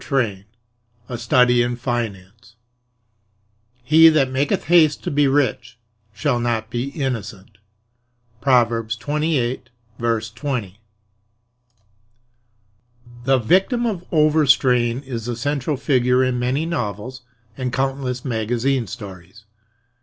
VI A Study in Finance "He that maketh haste to be rich shall not be innocent." PROVERBS 28:20. The victim of moral overstrain is the central figure in many novels and countless magazine stories.